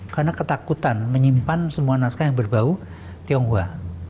karena ketakutan menyimpan semua naskah yang berbau tionghoa